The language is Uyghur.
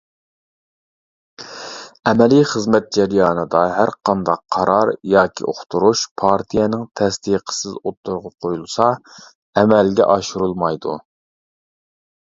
ئەمەلىي خىزمەت جەريانىدا ھەرقانداق قارار ياكى ئۇقتۇرۇش پارتىيەنىڭ تەستىقىسىز ئوتتۇرىغا قويۇلسا ئەمەلگە ئاشۇرۇلمايدۇ.